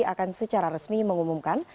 akan secara resmi mengumumkan